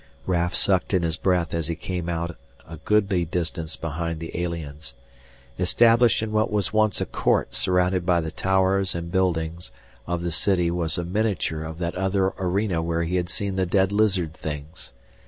Raf sucked in his breath as he came out a goodly distance behind the aliens. Established in what was once a court surrounded by the towers and buildings of the city was a miniature of that other arena where he had seen the dead lizard things.